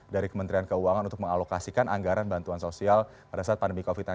dari kementerian keuangan untuk mengalokasikan anggaran bantuan sosial pada saat pandemi covid sembilan belas